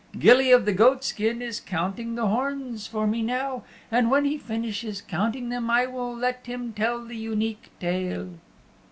Gilly of the Goatskin is counting the horns for me now, and when he finishes counting them I will let him tell the Unique Tale."